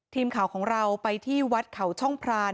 ทีมข่าวของเราไปที่วัดเขาช่องพราน